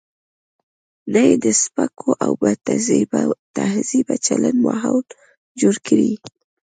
نه یې د سپکو او بدتهذیبه چلن ماحول جوړ کړي.